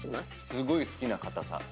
すごい好きな硬さ。